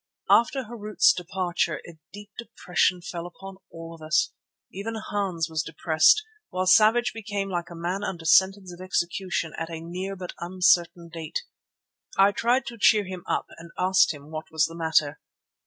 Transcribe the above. After Harût's departure a deep depression fell upon all of us. Even Hans was depressed, while Savage became like a man under sentence of execution at a near but uncertain date. I tried to cheer him up and asked him what was the matter.